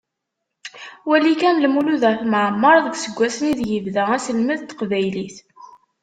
Wali kan Lmulud At Mεemmer deg yiseggasen ideg ibda aselmed n teqbaylit.